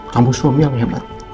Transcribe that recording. kamu suami yang hebat